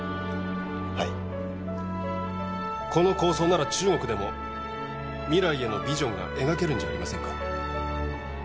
はいこの構想なら中国でも未来へのビジョンが描けるんじゃありませんか？